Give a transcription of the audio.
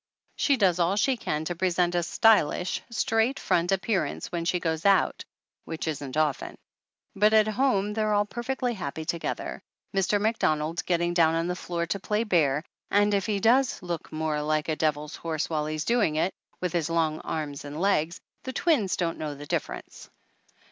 She does all she can to pre sent a stylish, straight front appearance when she goes out, which isn't often. But at home they are all perfectly happy together, Mr. Mac donald getting down on the floor to play bear, and if he does look more like a devil's horse while he's doing it, with his long arms and legs, the twins don't know the difference.